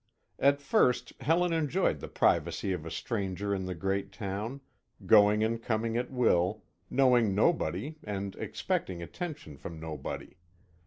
At first, Helen enjoyed the privacy of a stranger in the great town, going and coming at will, knowing nobody and expecting attention from nobody.